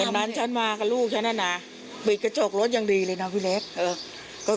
วันนั้นฉันมากับลูกฉันน่ะนะปิดกระจกรถยังดีเลยนะพี่เล็ก